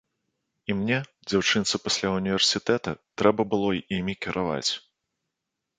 І мне, дзяўчынцы пасля ўніверсітэта, трэба было імі кіраваць.